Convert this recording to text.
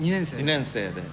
２年生で。